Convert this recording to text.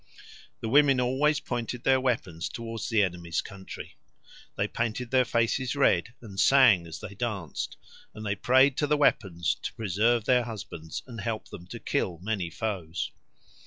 The women always pointed their weapons towards the enemy's country. They painted their faces red and sang as they danced, and they prayed to the weapons to preserve their husbands and help them to kill many foes.